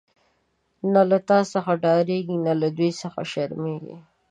نه له تا څخه ډاريږی، نه له دوی څخه شرميږی